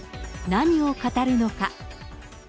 何を語るのか。